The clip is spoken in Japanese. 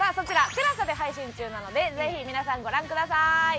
テラサで配信中なのでぜひ皆さんご覧ください。